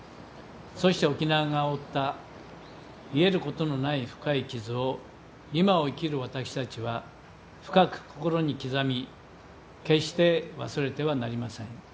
そして沖縄が負った癒えることのない深い傷を今を生きる私たちは深く心に刻み決して忘れてはなりません。